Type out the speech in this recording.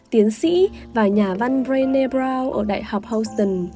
tiến sĩ và nhà văn brene brown ở đại học houston